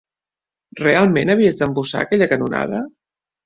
Realment havies d'embussar aquella canonada?